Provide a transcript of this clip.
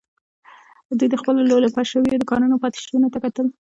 دوی د خپلو لولپه شويو دوکانونو پاتې شونو ته کتل.